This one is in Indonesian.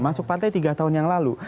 masuk pantai tiga tahun yang lalu